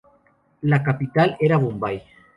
La capital era Bombay.